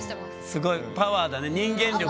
すごいパワーだね人間力。